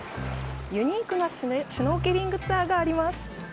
ユニークなシュノーケリングツアーがあります。